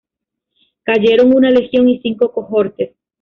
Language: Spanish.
Cayeron una legión y cinco cohortes.